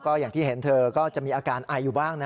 อย่างที่เห็นเธอก็จะมีอาการไออยู่บ้างนะ